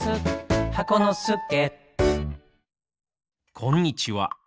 こんにちは。